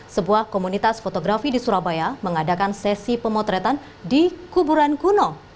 sebuah komunitas fotografi di surabaya mengadakan sesi pemotretan di kuburan kuno